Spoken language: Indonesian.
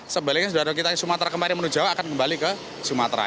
sebaliknya saudara kita sumatera kemarin menuju jawa akan kembali ke sumatera